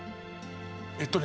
えっとね